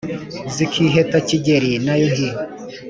zikiheta kigeli, n'yuhi